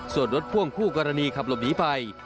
ส่วนรถพ่วงคู่กรณีขับหลบหนีไป